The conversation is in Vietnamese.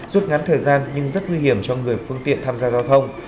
rút ngắn thời gian nhưng rất nguy hiểm cho người phương tiện tham gia giao thông